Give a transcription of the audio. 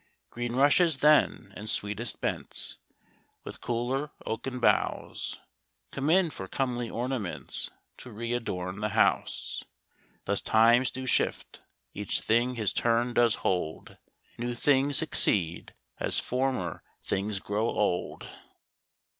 Green rushes then, and sweetest bents, With cooler oaken boughs, Come in for comely ornaments, To re adorn the house. Thus times do shift; each thing his turn does hold; New things succeed, as former things grow old.